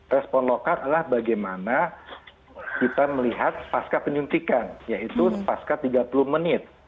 respon lokal adalah bagaimana kita melihat pasca penyuntikan yaitu pasca tiga puluh menit